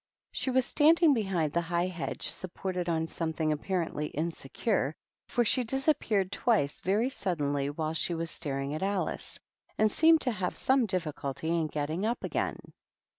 She was standing behind the high hedge, supported on something apparently insecure, for she disap peared twice very suddenly while she was staring at Alice, and seemed to have some difficulty in getting up again.